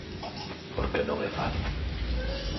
Porque non é fácil.